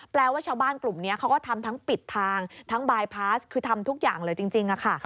ว่าชาวบ้านกลุ่มนี้เขาก็ทำทั้งปิดทางทั้งบายพาสคือทำทุกอย่างเลยจริงค่ะ